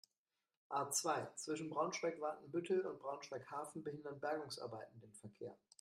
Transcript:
A-zwei, zwischen Braunschweig-Watenbüttel und Braunschweig-Hafen behindern Bergungsarbeiten den Verkehr.